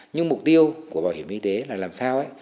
nhưng mục tiêu của bảo hiểm y tế là làm sao